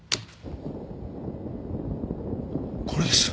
これです。